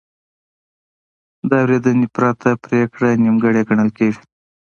د اورېدنې پرته پرېکړه نیمګړې ګڼل کېږي.